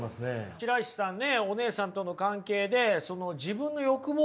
白石さんね